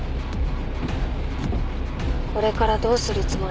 これからどうするつもり？